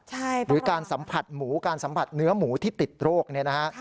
หรือการสัมผัสหมูการสัมผัสเนื้อหมูที่ติดโรคเนี่ยนะฮะ